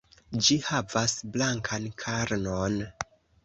Ĝi havas blankan karnon.